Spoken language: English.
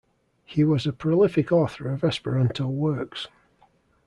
He was a prolific author of Esperanto works.